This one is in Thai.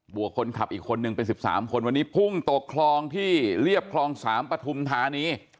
วกคนขับอีกคนนึงเป็น๑๓คนวันนี้พุ่งตกคลองที่เรียบคลอง๓ปฐุมธานี